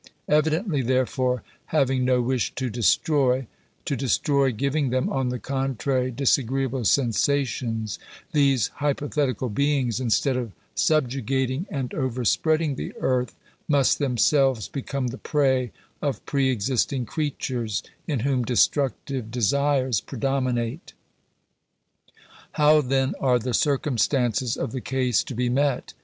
Evidently, therefore, having no wish to destroy — to destroy giving them, on the contrary, disagreeable sensations — these hypothetical beings, instead of subjugating and overspreading the earth, must themselves be come the prey of pre existing creatures, in whom destructive desires predominate. How then are the circumstances of the case to be met